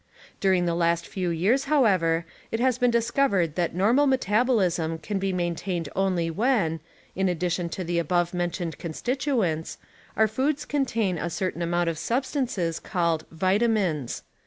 During the last few years, how ever, it has been discovered that normal metabolism can be main tained only when, in addition to the above mentioned constitu ents, our foods contain a certain amount of substances called "vitamines".